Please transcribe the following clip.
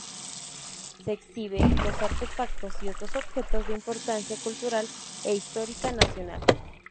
Se exhibe los artefactos y otros objetos de importancia cultural e histórica nacional.